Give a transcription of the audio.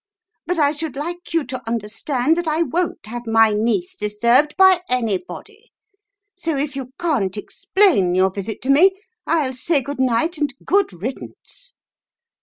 But I should like you to understand that I won't have my niece disturbed by anybody, so if you can't explain your visit to me, I'll say good night and good riddance.